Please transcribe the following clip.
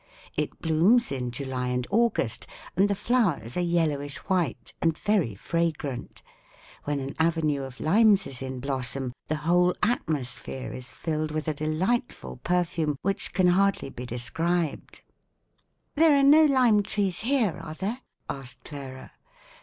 It blooms in July and August, and the flowers are yellowish white and very fragrant; when an avenue of limes is in blossom, the whole atmosphere is filled with a delightful perfume which can hardly be described." [Illustration: THE LINDEN OR LIME TREE (Tilia).] "There are no lime trees here, are there?" asked Clara.